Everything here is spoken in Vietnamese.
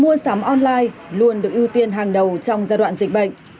mua sắm online luôn được ưu tiên hàng đầu trong giai đoạn dịch bệnh